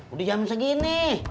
udah jam segini